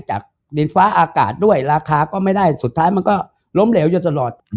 ดินฟ้าอากาศด้วยราคาก็ไม่ได้สุดท้ายมันก็ล้มเหลวอยู่ตลอด